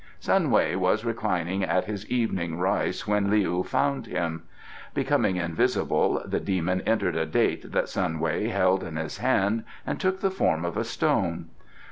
Sun Wei was reclining at his evening rice when Leou found him. Becoming invisible, the demon entered a date that Sun Wei held in his hand and took the form of a stone.